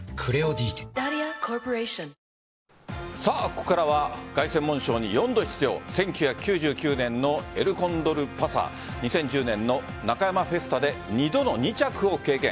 ここからは凱旋門賞に４度出場１９９９年のエルコンドルパサー２０１０年のナカヤマフェスタで２度の２着を経験。